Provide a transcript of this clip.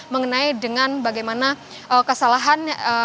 mengenai dengan bagaimana kesalahan